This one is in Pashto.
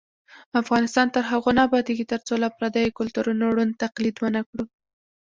افغانستان تر هغو نه ابادیږي، ترڅو له پردیو کلتورونو ړوند تقلید ونکړو.